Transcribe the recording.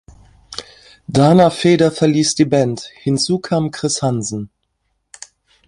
Dana Feder verließ die Band, hinzu kam Chris Hansen.